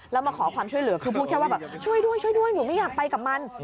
แล้วมาขอความช่วยเหลือคือพูดแค่ว่าช่วยด้วยผมไม่อยากไปกับมัน